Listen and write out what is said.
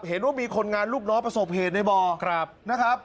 เห็นว่ามีคนงานลูกน้องประสบเหตุในบ่อนะครับ